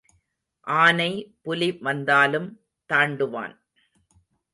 ஆனை புலி வந்தாலும் தாண்டுவான்.